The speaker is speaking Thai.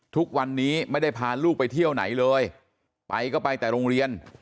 ทุกวันนี้ไม่ได้พาลูกไปเที่ยวไหนเลยไปก็ไปแต่โรงเรียน